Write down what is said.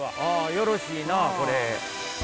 よろしいなあこれ。